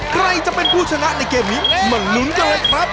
ใครจะเป็นผู้ชนะในเกมนี้มาลุ้นกันเลยครับ